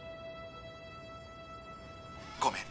ごめん。